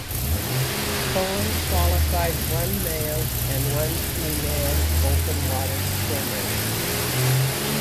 Poland qualified one male and one female open water swimmers.